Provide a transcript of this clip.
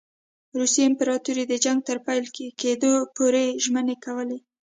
روسي امپراطوري د جنګ تر پیل کېدلو پوري ژمنې کولې.